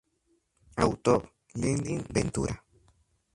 Autor Lenin Ventura.